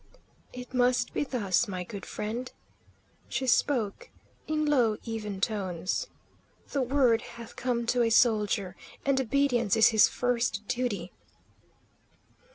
"It must be thus, my good friend," she spoke, in low, even tones. "The word hath come to a soldier, and obedience is his first duty."